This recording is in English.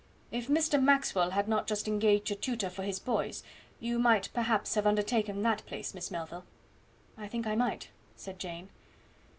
If Mr. Maxwell had not just engaged a tutor for his boys, you might have perhaps undertaken that place, Miss Melville." "I think I might," said Jane.